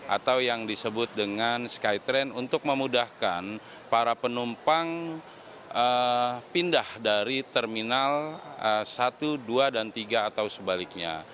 atau yang disebut dengan skytrain untuk memudahkan para penumpang pindah dari terminal satu dua dan tiga atau sebaliknya